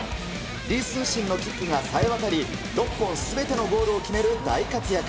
李承信のキックがさえわたり、６本すべてのゴールを決める大活躍。